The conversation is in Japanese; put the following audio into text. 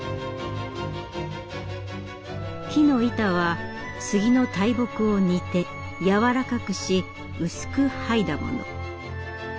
木の板は杉の大木を煮てやわらかくし薄く剥いだもの。